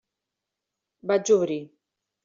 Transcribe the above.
Vaig obrir.